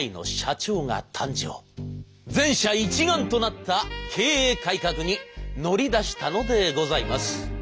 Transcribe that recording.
全社一丸となった経営改革に乗り出したのでございます。